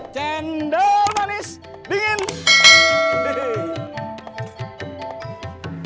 cendol manis dingin